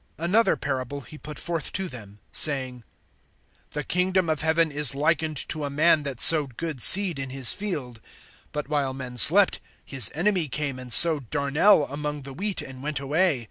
(24)Another parable he put forth to them, saying: The kingdom of heaven is likened to a man that sowed good seed in his field. (25)But while men slept, his enemy came and sowed darnel among the wheat, and went away.